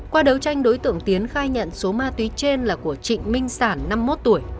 qua đấu tranh đối tượng tiến khai nhận số ma túy trên là của trịnh minh sản năm mươi một tuổi